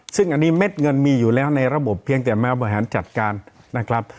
ซึ่งอันนี้เม็ดเงินมีอยู่แล้วในระบบเพียงแต่แมวบริหารจัดการนะครับ